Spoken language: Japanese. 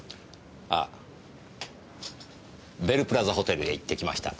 ああベルプラザホテルへ行ってきました。